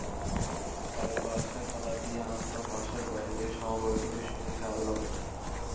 তাই বাসায় তালা দিয়ে আমরা বাসার বাইরে সমবয়সীদের সঙ্গে খেলাধুলা করতাম।